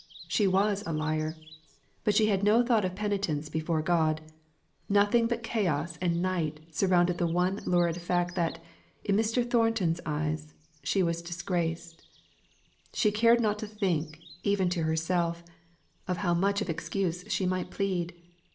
She was a liar. But she had no thought of penitence before God; nothing but chaos and night surrounded the one lurid fact that, in Mr. Thornton's eyes, she was degraded. She cared not to think, even to herself, of how much of excuse she might plead.